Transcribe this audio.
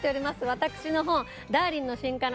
私の本『ダーリンの進化論』